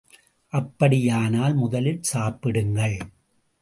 அப்படியானால் முதலில் சாப்பிடுங்கள்.